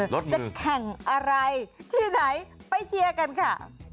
จะแข่งอะไรที่ไหนไปเชียร์กันค่ะ